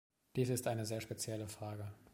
Dies ist eine sehr spezielle Frage.